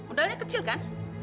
modalnya kecil kan